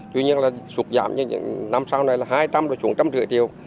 tuy nhiên là sụp giảm như những năm sau này là hai trăm linh rồi chúng một trăm linh triệu triệu